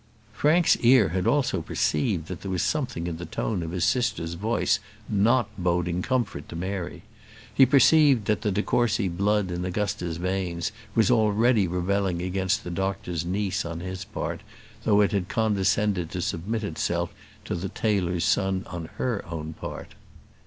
Frank's ear had also perceived that there was something in the tone of his sister's voice not boding comfort to Mary; he perceived that the de Courcy blood in Augusta's veins was already rebelling against the doctor's niece on his part, though it had condescended to submit itself to the tailor's son on her own part.